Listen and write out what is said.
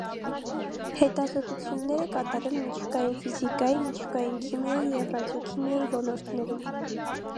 Հետազոտություններ է կատարել միջուկային ֆիզիկայի, միջուկային քիմիայի և ռադիոքիմիայի ոլորտներում։